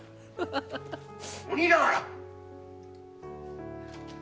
鬼瓦！